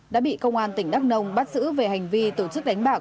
đã bị công an tỉnh đắk nông bắt giữ về hành vi tổ chức đánh bạc